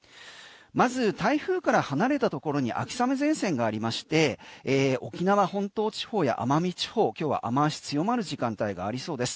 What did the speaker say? まず台風から離れたところに秋雨前線がありまして沖縄本島地方や奄美地方、今日は雨脚強まる時間帯がありそうです。